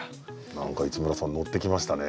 何か市村さんのってきましたね。